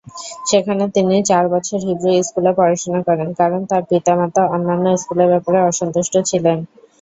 সেখানে তিনি চার বছর হিব্রু স্কুলে পড়াশুনা করেন, কারণ তার পিতামাতা অন্যান্য স্কুলের ব্যাপারে অসন্তুষ্ট ছিলেন।